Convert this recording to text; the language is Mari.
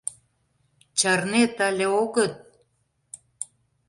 Чарнет але огыт!..